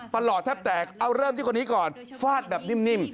หลอดแทบแตกเอาเริ่มที่คนนี้ก่อนฟาดแบบนิ่ม